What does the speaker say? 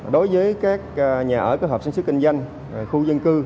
đối với các nhà ở có hợp sinh sức kinh doanh khu dân cư